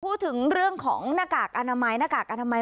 พูดถึงเรื่องของหน้ากากอนามัยหน้ากากอนามัย